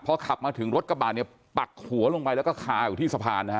พอขับมาถึงรถกระบาดเนี่ยปักหัวลงไปแล้วก็คาอยู่ที่สะพานนะฮะ